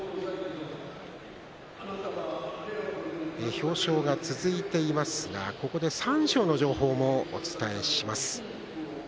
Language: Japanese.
表彰が続いていますがここで三賞の情報をお伝えします。